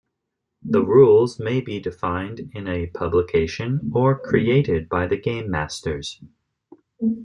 The rules may be defined in a publication or created by the gamemasters.